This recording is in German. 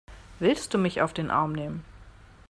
Willst du mich auf den Arm nehmen?